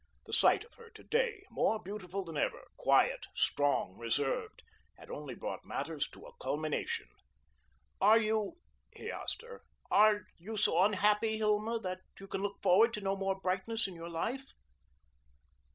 The sight of her to day, more beautiful than ever, quiet, strong, reserved, had only brought matters to a culmination. "Are you," he asked her, "are you so unhappy, Hilma, that you can look forward to no more brightness in your life?"